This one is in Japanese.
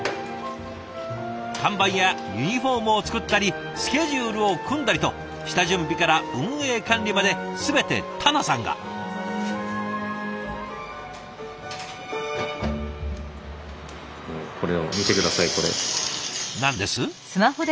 販売やユニフォームを作ったりスケジュールを組んだりと下準備から運営管理まで全て田名さんが。何です？